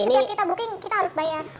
setiap kita booking kita harus bayar